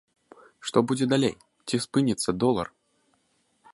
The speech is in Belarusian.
Што будзе далей, ці спыніцца долар?